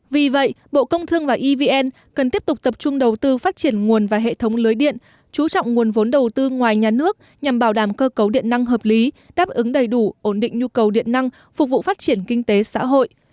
vì vậy bộ công thương và evn cần tiếp tục tập trung đầu tư phát triển nguồn và hệ thống lưới điện chú trọng nguồn vốn đầu tư ngoài nhà nước nhằm bảo đảm cơ cấu điện năng hợp lý đáp ứng đầy đủ ổn định nhu cầu điện năng phục vụ phát triển kinh tế xã hội